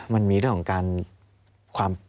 มันมีเรื่องของการ